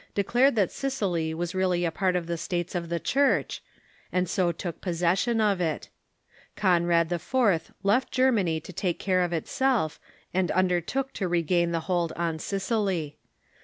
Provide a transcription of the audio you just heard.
declared that Sicily was really a part Hohenstaufens of the States of the Church, and so took posses in Sicily gjQj j q£ jj Conrad IV. left Germany to take care of itself, and undertook to regain the hold on Sicily.